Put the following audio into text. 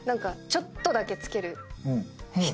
ちょっとだけ付ける人？